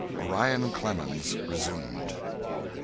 ] _Orion Clemens resumed.